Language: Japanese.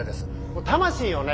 もう魂をね